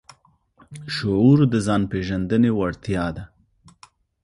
شعور د ځان د پېژندنې وړتیا ده.